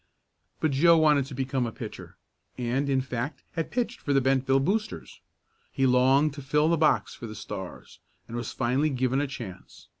But Joe wanted to become a pitcher, and, in fact, had pitched for the Bentville Boosters. He longed to fill the box for the Stars, and was finally given a chance.